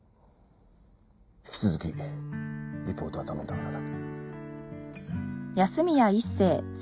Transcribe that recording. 引き続きリポートは頼んだからな。